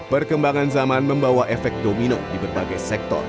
perkembangan zaman membawa efek domino di berbagai sektor